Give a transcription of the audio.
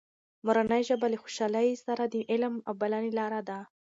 مورنۍ ژبه له خوشحالۍ سره د علم د بلنې لاره ده.